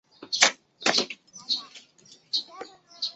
大帽山耳草为茜草科耳草属下的一个种。